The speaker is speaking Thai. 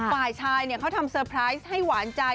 ฝ่ายชายเขาทำเซอร์ไพรส์ให้หวานใจ